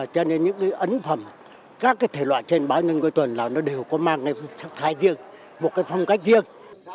cho nên những ấn phẩm các thể loại trên báo nhân dân cuối tuần đều có mang thái riêng một phong cách riêng